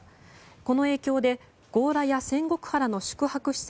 この影響で強羅や仙石原の宿泊施設